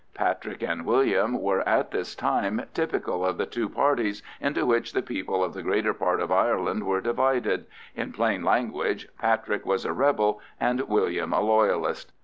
Patrick and William were at this time typical of the two parties into which the people of the greater part of Ireland were divided—in plain language, Patrick was a rebel and William a loyalist!